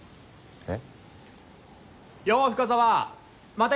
えっ？